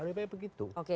lebih baik begitu